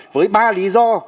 với ba lý do